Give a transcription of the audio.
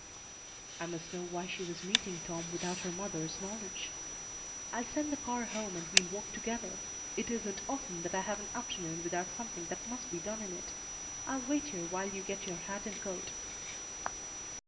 I must know why she was meeting Tom without her mother's knowledge. "I'll send the car home and we'll walk together. It isn't often I have an afternoon without something that must be done in it. I'll wait here while you get your hat and coat."